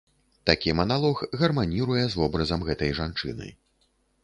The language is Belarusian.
Такі маналог гарманіруе з вобразам гэтай жанчыны.